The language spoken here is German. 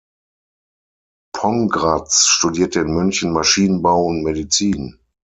Pongratz studierte in München Maschinenbau und Medizin.